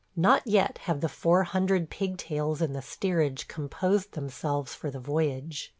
Not yet have the four hundred pigtails in the steerage composed themselves for the voyage.